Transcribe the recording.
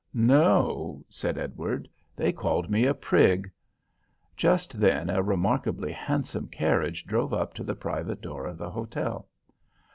"No"—said Edward—"they called me a prig." Just then a remarkably handsome carriage drove up to the private door of the hotel.